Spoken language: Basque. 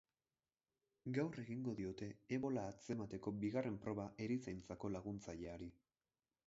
Gaur egingo diote ebola atzemateko bigarren proba erizaintzako laguntzaileari.